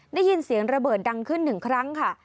ได้ยินเสียงระเบิดดังขึ้นหนึ่งครั้งค่ะ